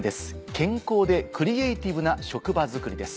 「健康でクリエイティブな職場作り」です。